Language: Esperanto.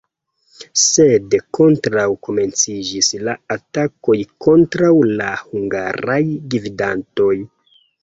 Sed baldaŭ komenciĝis la atakoj kontraŭ la hungaraj gvidantoj.